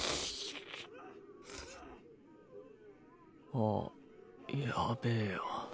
あっやべぇよ。